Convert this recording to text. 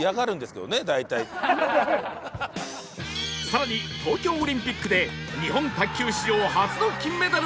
更に東京オリンピックで日本卓球史上初の金メダルを獲得